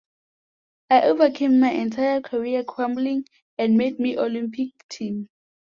I overcame my entire career crumbling and made the Olympic Team.